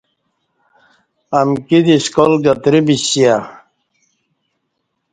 امکی دی سکال گترہ بیسیہ